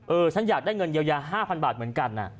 ฉันอยากได้เงินเยียวยา๕๐๐บาทเหมือนกัน